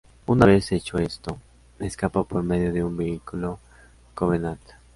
Una vez hecho esto, escapa por medio de un vehículo Covenant.